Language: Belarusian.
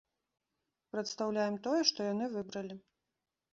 Прадстаўляем тое, што яны выбралі.